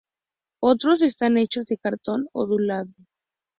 Otros están hechos de cartón ondulado.